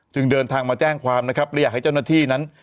เดินทางมาแจ้งความนะครับและอยากให้เจ้าหน้าที่นั้น